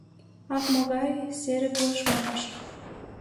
...Ах, могай серыпле шоныш